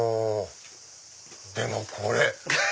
でもこれ。